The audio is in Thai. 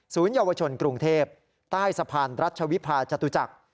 เยาวชนกรุงเทพใต้สะพานรัชวิพาจตุจักร